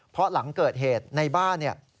เพราะหลังเกิดเหตุในบ้านเนี่ย